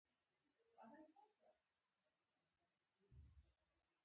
هره سجدې ته ورکوځېدنه، د روح لوړوالی دی.